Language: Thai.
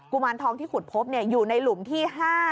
มารทองที่ขุดพบอยู่ในหลุมที่๕